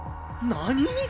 何！？